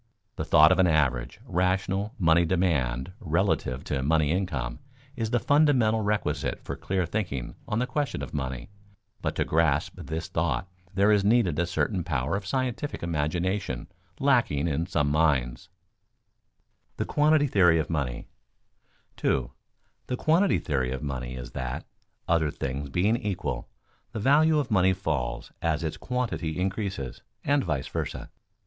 The thought of an average, rational, money demand relative to money income is the fundamental requisite for clear thinking on the question of money, but to grasp this thought there is needed a certain power of scientific imagination lacking in some minds. [Sidenote: The quantity theory of money] 2. _The quantity theory of money is that, other things being equal, the value of money falls as its quantity increases, and vice versa.